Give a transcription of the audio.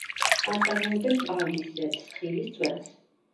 აწარმოებენ პალმის ზეთს, ხილის წვენს.